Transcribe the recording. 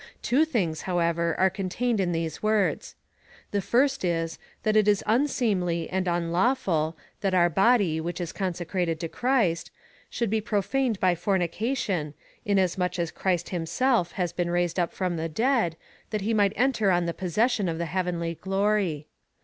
Two things, however, are contained in these words. The fii^st is, that it is unseemly and unlawful, that our body, which is consecrated to Christ, should be profaned by fornication, inasmuch as Christ himself has been raised up from the dead, that he might enter on the posses sion of the heavenly glory.